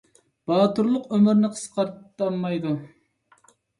باتۇرلۇق ئۆمۇرنى قىسقارتامايدۇ